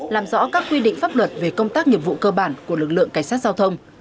làm rõ các quy định pháp luật về công tác nghiệp vụ cơ bản của lực lượng cảnh sát giao thông